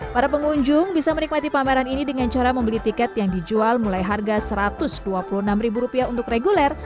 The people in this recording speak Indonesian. para pengunjung bisa menikmati pameran ini dengan cara membeli tiket yang dijual mulai harga rp satu ratus dua puluh enam untuk reguler